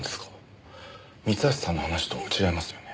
三橋さんの話と違いますよね。